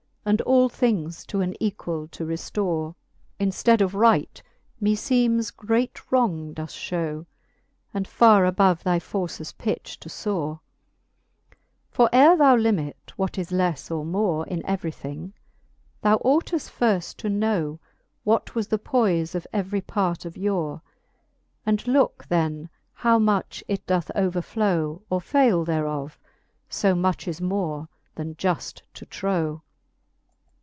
And all things to an equall to reftore, In ftead of right me feemes great wrong doft (hew, And far above thy forces pitch to fore. For ere thou limit what is lefle or more In every thing, thou oughteft firft to know What was the poyfe of every part of yore; And looke then how much it doth ov^erflow, Or faile thereof, fb much is more then juft to trow.